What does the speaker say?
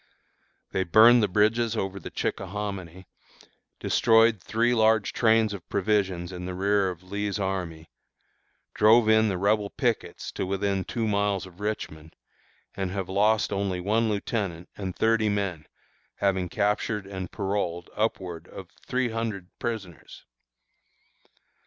They burned the bridges over the Chickahominy, destroyed three large trains of provisions in the rear of Lee's army, drove in the Rebel pickets to within two miles of Richmond, and have lost only one lieutenant and thirty men, having captured and paroled upwards of three hundred prisoners.